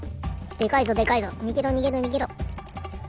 でかいぞでかいぞ。にげろにげろにげろ。